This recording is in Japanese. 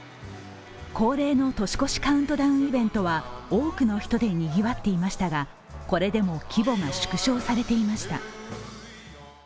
恒例の年越しカウントダウンイベントは多くの人でにぎわっていましたがこれでも規模が縮小されていました。